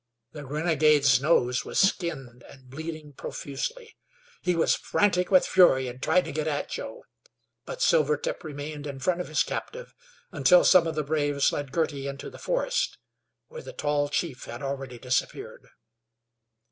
The renegade's nose was skinned and bleeding profusely. He was frantic with fury, and tried to get at Joe; but Silvertip remained in front of his captive until some of the braves led Girty into the forest, where the tall chief had already disappeared.